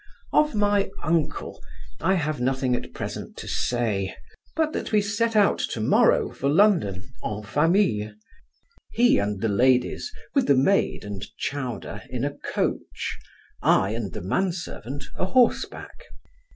Of my uncle, I have nothing at present to say; but that we set out tomorrow for London en famille. He and the ladies, with the maid and Chowder in a coach; I and the man servant a horseback.